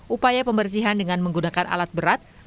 upaya pembersihan dengan menggunakan alat berat